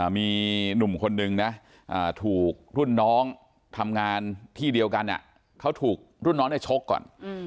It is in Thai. มีหนุ่มคนนึงนะถูกรุ่นน้องทำงานที่เดียวกันเขาถูกรุ่นน้องชกก่อน